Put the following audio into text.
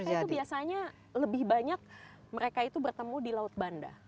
mereka itu biasanya lebih banyak mereka itu bertemu di laut bandar